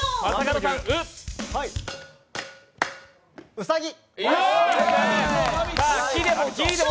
うさぎ。